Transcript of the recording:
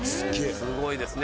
すごいですね。